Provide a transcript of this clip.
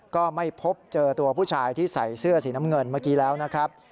ก็ไม่พบเจอตัวผู้ชายที่ใส่เสื้อสีน้ำเงินเมื่อกี้แล้วนะครับ